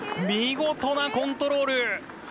見事なコントロール。